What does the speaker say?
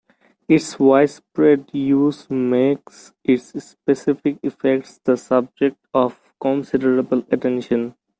Its widespread use makes its specific effects the subject of considerable attention.